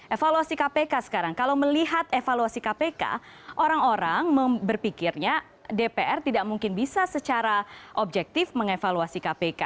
evaluasi kpk sekarang kalau melihat evaluasi kpk orang orang berpikirnya dpr tidak mungkin bisa secara objektif mengevaluasi kpk